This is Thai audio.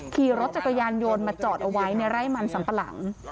ขี่รถจักรยานยนต์มาจอดเอาไว้ในไร่มันสัมปะหลัง